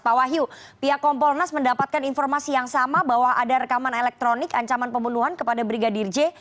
pak wahyu pihak kompolnas mendapatkan informasi yang sama bahwa ada rekaman elektronik ancaman pembunuhan kepada brigadir j